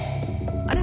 あれ？